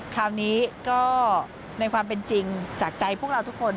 คราวนี้ก็ในความเป็นจริงจากใจพวกเราทุกคน